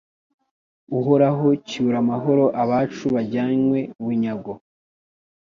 Uhoraho cyura amahoro abacu bajyanywe bunyago